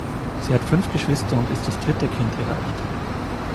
Sie hat fünf Geschwister und ist das dritte Kind ihrer Eltern.